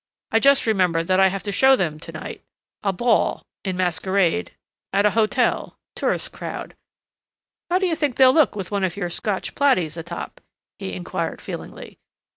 "I just remembered that I have to show them to night.... A ball in masquerade. At a hotel. Tourist crowd.... How do you think they'll look with one of your Scotch plaidies atop?" he inquired feelingly.